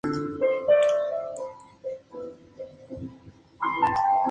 La herramienta empleada para conseguirlo es un trapo arrugado impregnado de material.